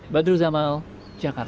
badru zamal jakarta